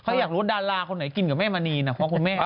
เขาอยากรู้ดาราคนไหนกินกับแม่มณีนะเพราะคุณแม่